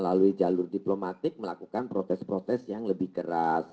melalui jalur diplomatik melakukan protes protes yang lebih keras